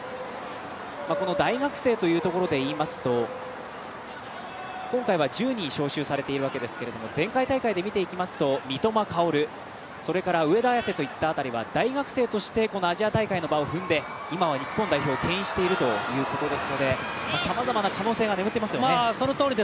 大学生というところで言いますと今回は１０人招集されていますが前回大会で見ていきますと三笘薫、それから上田綺世といった辺りは大学生としてこのアジア大会の場を踏んで今は日本代表をけん引しているということですのでさまざまな可能性が眠っていますよね。